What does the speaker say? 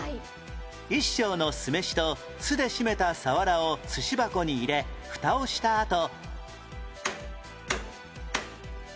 一升の酢飯と酢でしめたサワラを寿司箱に入れフタをしたあと